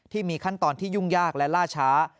ที่มีขั้นตอนที่ยุ่งยากและล่าช้า